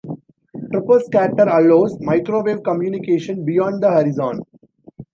Troposcatter allows microwave communication beyond the horizon.